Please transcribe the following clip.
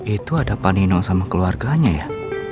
itu ada panino sama keluarganya ya